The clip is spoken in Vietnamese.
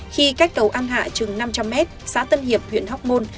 khi cách cầu an hạ trường năm trăm linh m xã tân hiệp huyện hóc môn